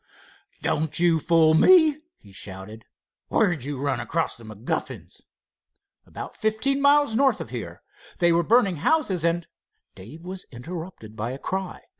"Don't you fool me!" he shouted. "Where did you run across the MacGuffins?" "About fifteen miles north of here. They were burning houses, and——" Dave was interrupted by a cry.